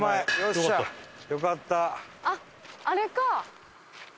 あっあれか。